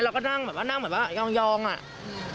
เราก็นั่งแบบว่านั่งเหมือนว่ายองอ่ะ